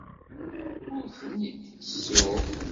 Ur ten-id-ttessuɣ.